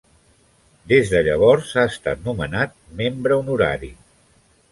Des de llavors ha estat nomenat membre honorari.